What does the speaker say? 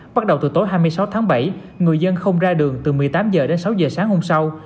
bắt đầu từ tối hai mươi sáu tháng bảy người dân không ra đường từ một mươi tám h đến sáu h sáng hôm sau